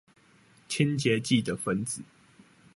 清潔劑的分子